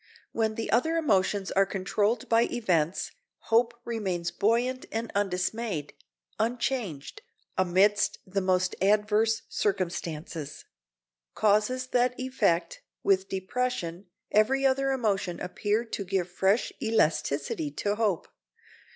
When the other emotions are controlled by events hope remains buoyant and undismayed,—unchanged, amidst the most adverse circumstances. Causes that effect, with depression, every other emotion appear to give fresh elasticity to hope.